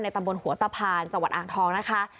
ตำบลหัวตะพานจังหวัดอ่างทองนะคะ